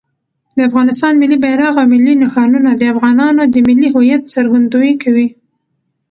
د افغانستان ملي بیرغ او ملي نښانونه د افغانانو د ملي هویت څرګندویي کوي.